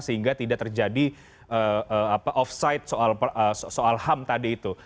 sehingga tidak terjadi off site soal ham tadi itu